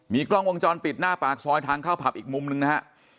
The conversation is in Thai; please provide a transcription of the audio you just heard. กล้องวงจรปิดหน้าปากซอยทางเข้าผับอีกมุมหนึ่งนะฮะ